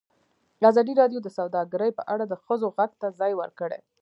ازادي راډیو د سوداګري په اړه د ښځو غږ ته ځای ورکړی.